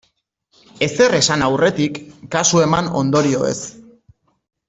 Ezer esan aurretik, kasu eman ondorioez.